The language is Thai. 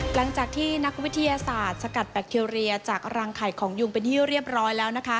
หลังจากที่นักวิทยาศาสตร์สกัดแบคทีเรียจากรังไข่ของยุงเป็นที่เรียบร้อยแล้วนะคะ